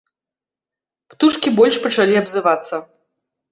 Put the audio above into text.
Птушкі больш пачалі абзывацца.